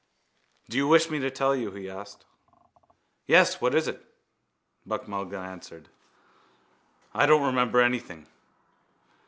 —Do you wish me to tell you? he asked. —Yes, what is it? Buck Mulligan answered. I don't remember anything.